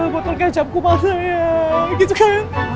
botol kecap gue pake ya gitu kan